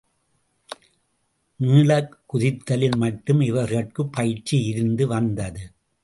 நீளக்குதித்தலில் மட்டும் இவர்கட்குப் பயிற்சி இருந்து வந்தது.